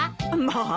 まあ！